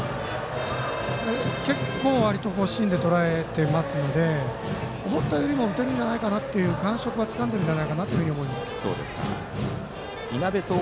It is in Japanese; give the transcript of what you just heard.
結構、わりと芯でとらえていますので思ったよりも打てるんじゃないかという感触は持っていると思います。